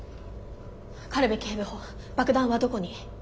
軽部警部補爆弾はどこに？